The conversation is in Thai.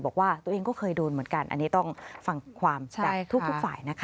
บอกว่าตัวเองก็เคยโดนเหมือนกันอันนี้ต้องฟังความจากทุกฝ่ายนะคะ